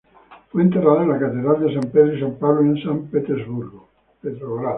Fue enterrada en la Catedral de San Pedro y San Pablo en San Petersburgo.